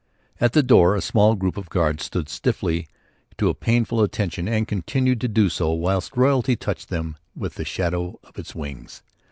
At the door a small group of guards stood stiffly to a painful attention and continued so to do whilst royalty touched them with the shadow of its wings.